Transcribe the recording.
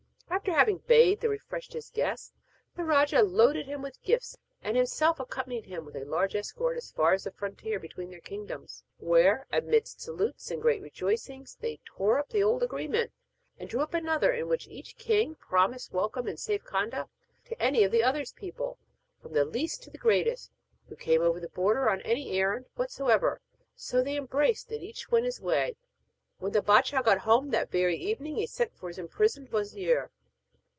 After having bathed and refreshed his guest, the rajah loaded him with gifts, and himself accompanied him with a large escort as far as the frontier between their kingdoms, where, amidst salutes and great rejoicings, they tore up the old agreement and drew up another in which each king promised welcome and safe conduct to any of the other's people, from the least to the greatest, who came over the border on any errand whatever. And so they embraced, and each went his own way. When the bâdshah got home that very evening he sent for his imprisoned wazir.